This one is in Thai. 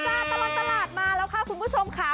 ตลอดตลาดมาแล้วค่ะคุณผู้ชมค่ะ